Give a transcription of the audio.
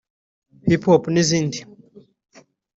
Hiphop n’izindi